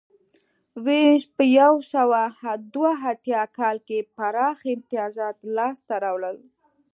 وینز په یو سوه دوه اتیا کال کې پراخ امتیازات لاسته راوړل